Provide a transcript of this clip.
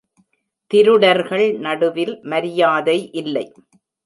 திருடர்கள் நடுவில் மரியாதை இல்லை.